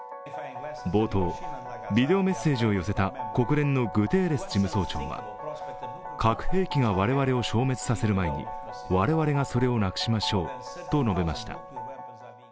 冒頭、ビデオメッセージを寄せた国連のグテーレス事務総長は核兵器が我々を消滅させる前に我々がそれをなくしましょうと述べました。